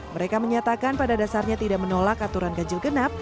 mereka menyatakan pada dasarnya tidak menolak aturan ganjil genap